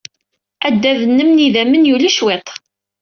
Adad-nnem n yidammen yuli cwiṭ.